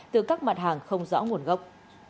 từ các mặt hàng không rõ nguồn gốc